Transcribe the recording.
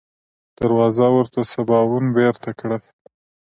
دروازه ورته سباوون بېرته کړه.